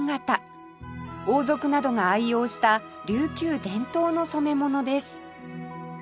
王族などが愛用した琉球伝統の染め物です